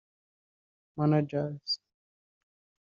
managers